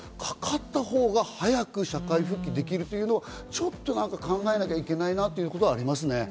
かかったほうが早く社会復帰できるというのはちょっと考えなきゃいけないなってことがありますね。